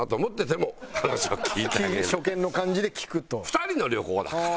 ２人の旅行だから。